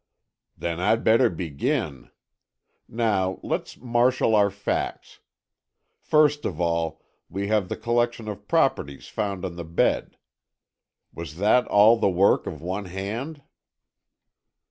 "Then I'd better begin. Now let's marshal our facts. First of all, we have the collection of properties found on the bed. Was that all the work of one hand?"